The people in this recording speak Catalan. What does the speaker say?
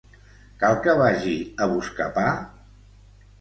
Cal que vagi a buscar pa?